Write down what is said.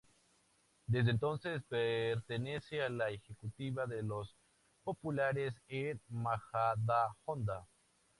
Desde entonces pertenece a la ejecutiva de los populares en Majadahonda.